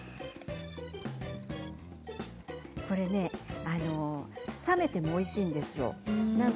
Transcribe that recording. これね冷めてもおいしいんですよ。